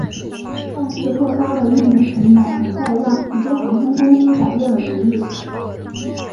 但是过高的运营成本很快让许多航空公司改变了主意。